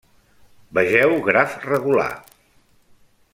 Vegeu graf regular.